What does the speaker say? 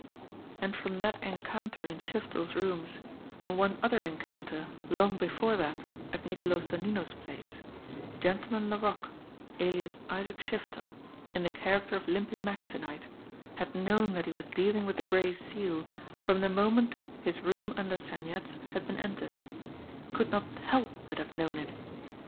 And from that encounter in Shiftel's rooms, and one other encounter long before that at Niccolo Sonnino's place, Gen tleman Laroque, alias Isaac Shiftel, in the character of Limpy Mack to night, had known that he was dealing with the Gray Seal from the moment his room under Sen Yat's had been entered could not help but have known it.